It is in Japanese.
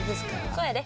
そうやで。